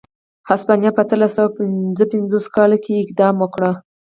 هسپانیا په اتلس سوه پنځه پنځوس کال کې اقدام وکړ.